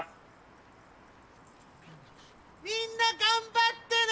みんな頑張ってね！